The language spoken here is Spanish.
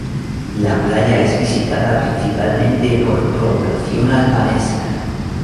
La playa es visitada principalmente por población albanesa.